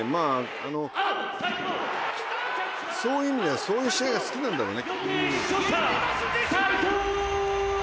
「そういう意味ではそういう試合が好きなんだろうね」